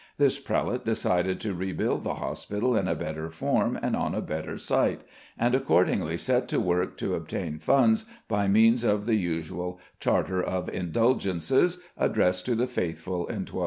This prelate decided to rebuild the hospital in a better form and on a better site, and accordingly set to work to obtain funds by means of the usual Charter of Indulgences addressed to the faithful in 1228.